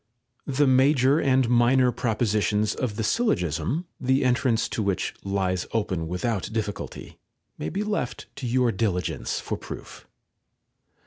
The major and minor propositions 28 LETTERS OF DANTE of the syllogism, the entrance to which lies open without difficulty, may be left to your diligence for proof.